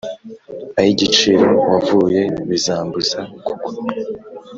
ay'igiciro wavuye; bizambuza kugwa.